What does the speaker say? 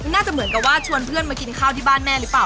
น่าจะเหมือนกับว่าชวนเพื่อนมากินข้าวที่บ้านแม่หรือเปล่า